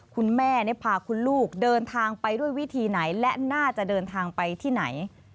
คุณแม่พาคุณลูกเดินทางไปด้วยวิธีไหนและน่าจะเดินทางไปที่ไหน